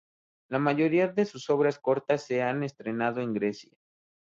La mayoría de sus obras cortas se han estrenado en Grecia.